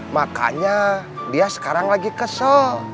makanya dia sekarang lagi kesel